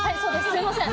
すいません。